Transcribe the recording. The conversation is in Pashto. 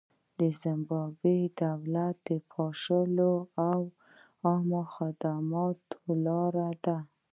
په زیمبابوې کې دولت پاشلی او عامه خدمتونه ولاړ دي.